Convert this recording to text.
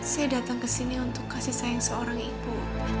saya datang kesini untuk kasih sayang seorang ibu